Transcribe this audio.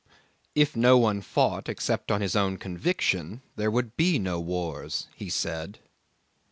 "If no one fought except on his own conviction, there would be no wars," he said.